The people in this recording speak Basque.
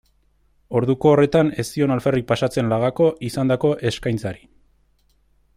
Orduko horretan ez zion alferrik pasatzen lagako izandako eskaintzari.